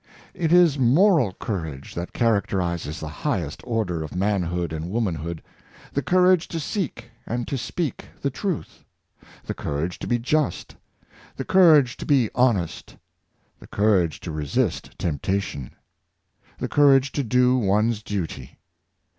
It is moral courage that characterizes the highest or der of manhood and womanhood — the courage to seek and to speak the truth; the courage to be just; the cour age to be honest; the courage to resist temptation; the courage to do one's duty.